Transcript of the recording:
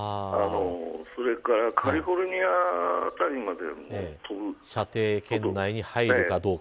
それからカリフォルニア辺りまで射程圏内に入るかどうか。